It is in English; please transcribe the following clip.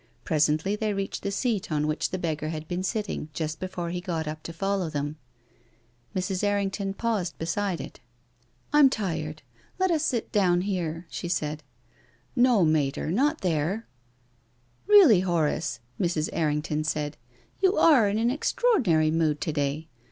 Presently they reached the seat on which the beggar had been sitting just be fore he got up to follow them. Mrs. Errington paused beside it. " I'm tired. Let us sit down here," she said. " No, Mater, not here." " Really, Horace," Mrs. Errington said, " you are in an extraordinary mood to day.